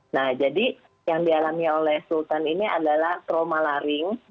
nah jadi yang dialami oleh sultan ini adalah trauma laring